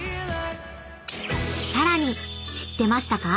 ［さらに知ってましたか？］